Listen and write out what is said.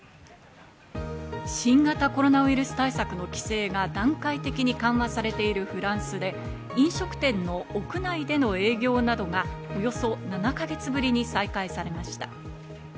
新型コロナウイルス対策の規制が段階的に緩和されているフランスで、飲食店の屋内での営業などがおよそ７か月ぶりに再開されました。